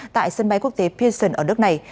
tại sân bay quốc tế pearson ở nước này